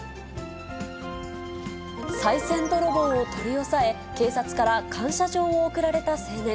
さい銭泥棒を取り押さえ、警察から感謝状を贈られた青年。